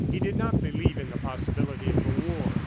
He did not believe in the possibility of a war.